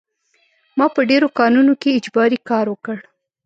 ما په ډېرو کانونو کې اجباري کار وکړ